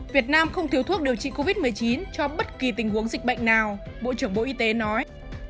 việt nam không thiếu thuốc điều trị covid một mươi chín cho bất kỳ tình huống dịch bệnh nào bộ trưởng bộ y tế nói